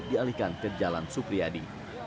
dialihkan ke jalan supriyadi